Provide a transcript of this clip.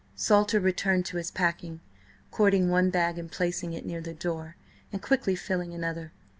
Salter returned to his packing, cording one bag and placing it near the door, and quickly filling another.